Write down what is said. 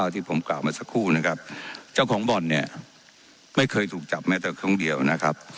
ที่ผมกล่าวมาสักครู่นะครับเจ้าของบ่อนเนี่ยไม่เคยถูกจับแม้แต่ครั้งเดียวนะครับ